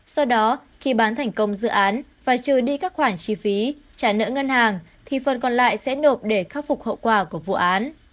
sau đó khi bán thành công dự án và trừ đi các khoản chi phí trả nợ ngân hàng thì phần còn lại sẽ nộp để khắc phục hậu quả của vụ án